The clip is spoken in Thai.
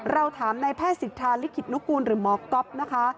เราถามนายแพทย์สิทธาลิขิตนุกูลหรือหมอก๊อฟนะคะ